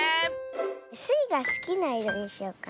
スイがすきないろにしようかな。